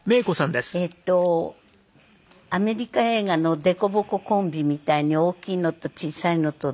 えっとアメリカ映画の凸凹コンビみたいに大きいのと小さいのとで。